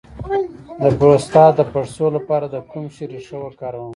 د پروستات د پړسوب لپاره د کوم شي ریښه وکاروم؟